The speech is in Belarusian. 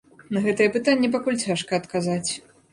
На гэтае пытанне пакуль цяжка адказаць.